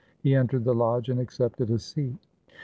He entered the lodge and accepted a seat.